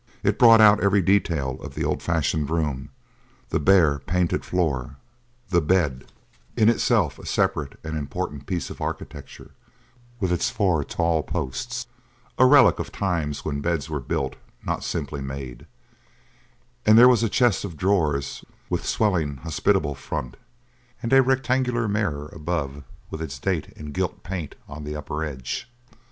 It brought out every detail of the old fashioned room the bare, painted floor; the bed, in itself a separate and important piece of architecture with its four tall posts, a relic of the times when beds were built, not simply made; and there was a chest of drawers with swelling, hospitable front, and a rectangular mirror above with its date in gilt paint on the upper edge.